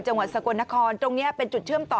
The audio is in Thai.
จังหวัดสกลนครตรงนี้เป็นจุดเชื่อมต่อ